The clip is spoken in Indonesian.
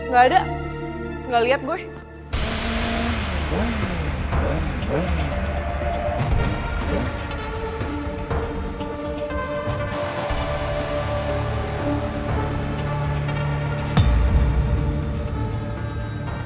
gak ada gak liat gue